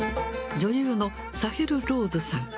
女優のサヘル・ローズさん。